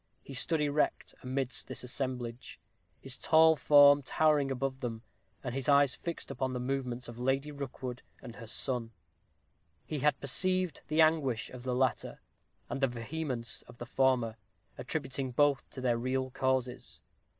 He stood erect amidst the assemblage, his tall form towering above them all, and his eyes fixed upon the movements of Lady Rookwood and her son. He had perceived the anguish of the latter, and the vehemence of the former, attributing both to their real causes.